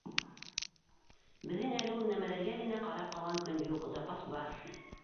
Беҙҙең әле ул нәмәләргә генә ҡарап ҡалған көн юҡ, запас бар.